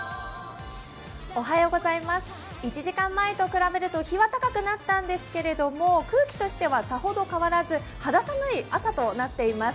１時間前と比べると日は高くなったんですけど空気としてはさほど変わらず、肌寒い朝となっています。